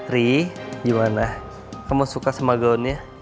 ri gimana kamu suka sama gaunnya